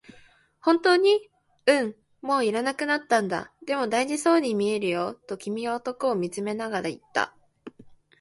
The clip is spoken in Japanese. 「本当に？」、「うん、もう要らなくなったんだ」、「でも、大事そうに見えるよ」と君は男を見つめながら言った。